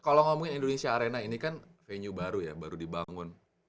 kalau ngomongin indonesia arena ini kan venue baru ya baru dibangun